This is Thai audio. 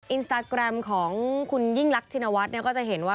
อินสตาแกรมของคุณยิ่งรักชินวัฒน์ก็จะเห็นว่า